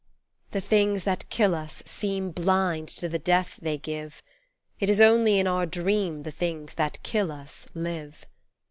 The things that kill us seem Blind to the death they give : It is only in our dream The things that kill us live.